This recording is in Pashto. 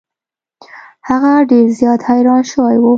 هغه ډیر زیات حیران شوی و.